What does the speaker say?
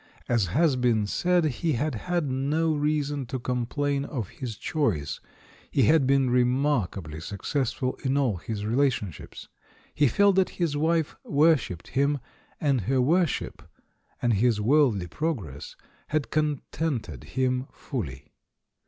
As has been said, he had had no rea son to complain of his choice — he had been re markably successful in all his relationships — ^he felt that his wife worshipped him, and her wor ship, and his worldly progress, had contented him fully.